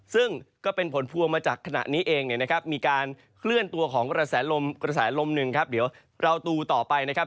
ซึ่งก็เป็นผลพวงมาจากขณะนี้เองเนี่ยนะครับมีการเคลื่อนตัวของกระแสลมกระแสลมหนึ่งครับเดี๋ยวเราดูต่อไปนะครับ